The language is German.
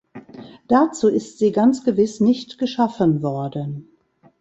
Dazu ist sie ganz gewiss nicht geschaffen worden!